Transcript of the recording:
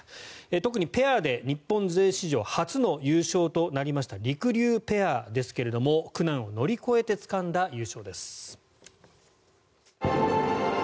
特にペアで日本勢史上初の優勝となりましたりくりゅうペアですが苦難を乗り越えてつかんだ優勝です。